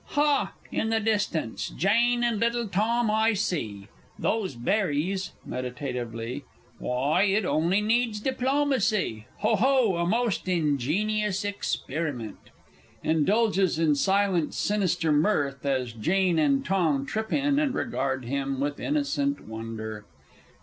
_) Ha, in the distance, Jane and little Tom I see! These berries (meditatively) why, it only needs diplomacy. Ho ho, a most ingenious experiment! [Indulges in silent and sinister mirth, as Jane and Tom _trip in, and regard him with innocent wonder.